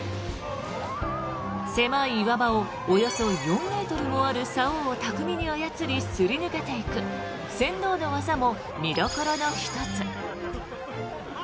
狭い岩場をおよそ４ｍもあるさおを巧みに操りすり抜けていく船頭の技も見どころの１つ。